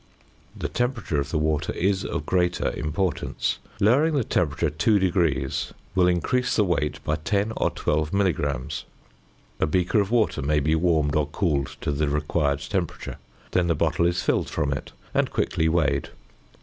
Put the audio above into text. The temperature of the water is of greater importance; lowering the temperature 2° will increase the weight by 10 or 12 milligrams. A beaker of water may be warmed or cooled to the required temperature; then the bottle is filled from it, and quickly weighed.